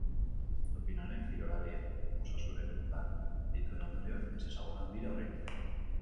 Dopin honek kirolarien osasunarengan dituen ondorioak ezezagunak dira oraindik.